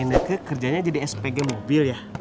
neng eneke kerjanya jadi spg mobil ya